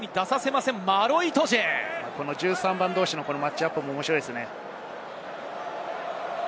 １３番同士のマッチアップ、面白いですね。